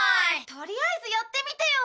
とりあえずやってみてよ。